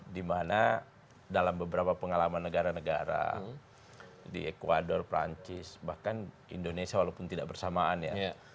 dimana dalam beberapa pengalaman negara negara di ecuador perancis bahkan indonesia walaupun tidak bersamaan ya